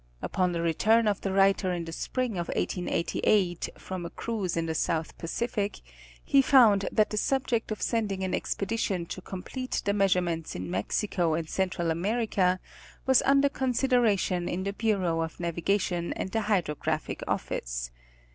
Upon the return of the writer in the spring of 1888, from a cruise in the South Pacific, he found that the subject of sending an expedition to complete the measurements in Mexico and Central America was under consideration in the Bureau of Navigation and the Hydrographic office.